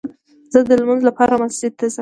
زه دلمونځ لپاره مسجد ته ځم